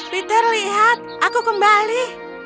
peter lihat aku kembali